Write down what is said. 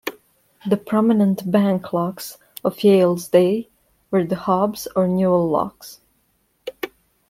The prominent bank locks of Yale's day were the Hobbs or Newell locks.